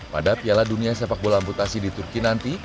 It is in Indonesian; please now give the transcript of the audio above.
pada piala dunia sepak bola amputasi di turki nanti